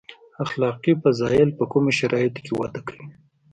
اخلاقي فضایل په کومو شرایطو کې وده کوي.